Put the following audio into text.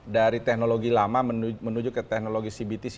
dari teknologi lama menuju ke teknologi cbtc